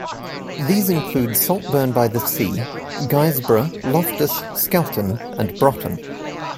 These include Saltburn-by-the-Sea, Guisborough, Loftus, Skelton and Brotton.